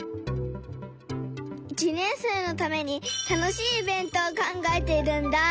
１年生のために楽しいイベントを考えているんだ。